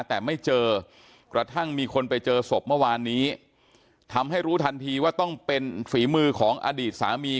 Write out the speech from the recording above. แต่ไม่เจอกระทั่งมีคนไปเจอศพเมื่อวานนี้ทำให้รู้ทันทีว่าต้องเป็นฝีมือของอดีตสามี